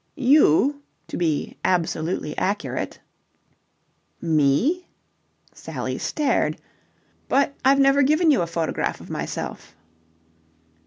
you, to be absolutely accurate." "Me?" Sally stared. "But I've never given you a photograph of myself."